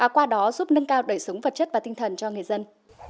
qua đó giúp nâng cao đời sống vật chất và tinh thần cho người dân